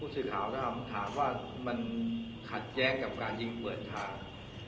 ผู้สื่อข่าวนะครับถามว่ามันขัดแจ้งกับการยิงเหมือนทาง